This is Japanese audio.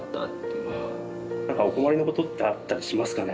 なんかお困りのことってあったりしますかね。